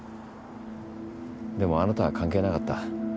でもあなたは関係なかった。